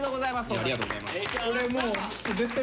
ありがとうございます。